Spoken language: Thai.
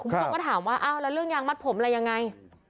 คุณผู้ชมก็ถามว่าอ้าวแล้วเรื่องยางมัดผมอะไรยังไง